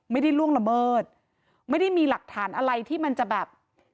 ล่วงละเมิดไม่ได้มีหลักฐานอะไรที่มันจะแบบ